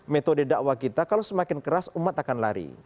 metode dakwah kita kalau semakin keras umat akan lari